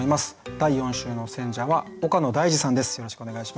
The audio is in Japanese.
第４週の選者は岡野大嗣さんです。